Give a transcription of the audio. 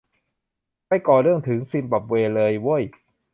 ไปก่อเรื่องถึงซิมบับเวเลยเว้ย